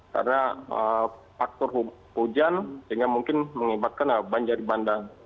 karena faktor hujan sehingga mungkin menyebabkan banjir bandang